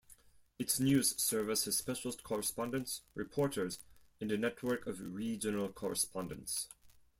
Its news service has specialist correspondents, reporters and a network of regional correspondents.